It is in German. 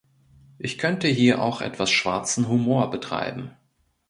Ich könnte hier auch etwas schwarzen Humor betreiben.